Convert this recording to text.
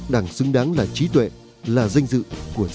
đảng xứng đáng là trí tuệ là danh dự của dân tộc